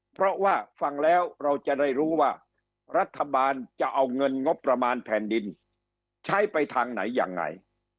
เพราะว่าฟังแล้วเราจะได้รู้ว่ารัฐบาลจะเอาเงินงบประมาณแผ่นดินใช้ไปทางไหนยังไง